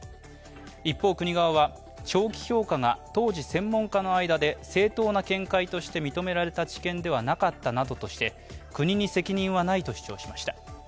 一方、国側は長期評価が当時、専門家の間で正当な見解として認められた知見ではなかったなどとして国に責任はないと主張しました。